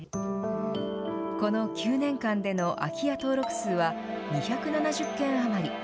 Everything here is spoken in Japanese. この９年間での空き家登録数は２７０軒余り。